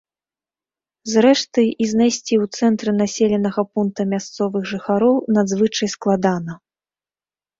Зрэшты, і знайсці ў цэнтры населенага пункта мясцовых жыхароў надзвычай складана.